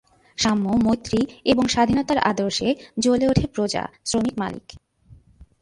সাম্য, মৈত্রী এবং স্বাধীনতার আদর্শে জ্বলে উঠে প্রজা, শ্রমিক মালিক।